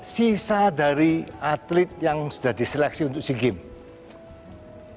sisa dari atlet yang sudah diseleksi untuk si game